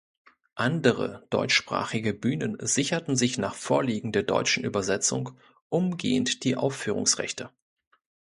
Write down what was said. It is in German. Andere deutschsprachige Bühnen sicherten sich nach Vorliegen der deutschen Übersetzung umgehend die Aufführungsrechte.